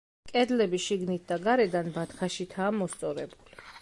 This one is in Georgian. კედლები შიგნით და გარედან ბათქაშითაა მოსწორებული.